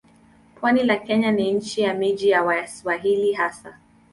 Pwani la Kenya ni nchi ya miji ya Waswahili hasa.